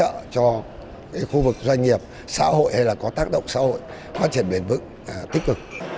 hỗ trợ cho khu vực doanh nghiệp xã hội hay là có tác động xã hội quan trọng biển vững tích cực